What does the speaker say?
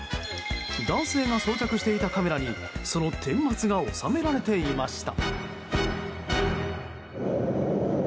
男性が装着していたカメラにその顛末が収められていました。